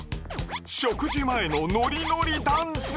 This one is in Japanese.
食事前のノリノリダンス！